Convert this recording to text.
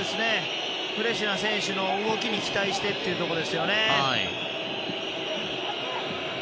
フレッシュな選手の動きに期待してというところですよね。